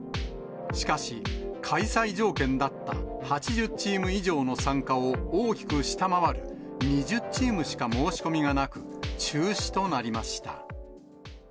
しかし、開催条件だった８０チーム以上の参加を大きく下回る、２０チームしか申し込みがなく、中止となりました。